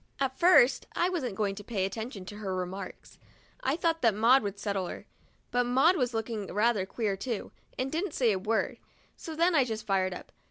At first I wasn't going to pay any attention to her remarks — I thought that Maud would settle her; but Maud was looking rather queer, too, and didn't say a word ; so then I just fired up.